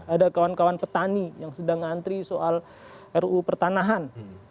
ada kawan kawan petani yang sedang ngantri soal ruu pertanahan